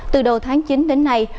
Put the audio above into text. từ đầu tháng chín đến nay